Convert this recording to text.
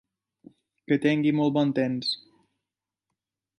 Que tingui molt bon temps!